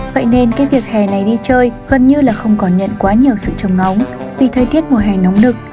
vậy nên cái việc hè này đi chơi gần như là không còn nhận quá nhiều sự trồng máu vì thời tiết mùa hè nóng nực